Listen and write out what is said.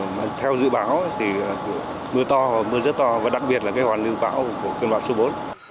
mà theo dự báo thì mưa to mưa rất to và đặc biệt là cái hoàn lưu bão của cơn bão số bốn